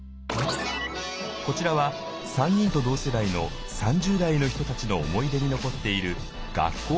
こちらは３人と同世代の３０代の人たちの思い出に残っている学校